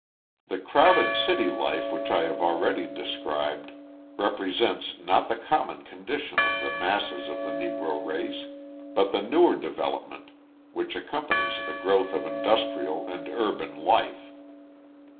The crowded city life which I have already described represents not the common condition of the masses of the Negro race but the newer development which accompanies the growth of industrial and urban life.